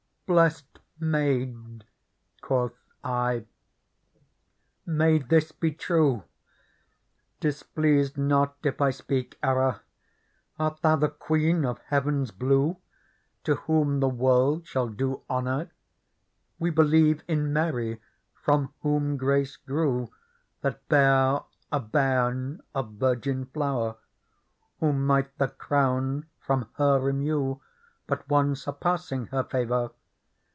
Digitized by Google PEARL 19 " Blest maid/' quoth I, " may this be true ? Displease not if I speak error : Art thoM the Queen of heavens blue, To whom the world shall do honour ? We believe in Mary, from whom grace grew. That bare a bairn of virgin flower. Who might the crown from her remue. But one surpassing her favour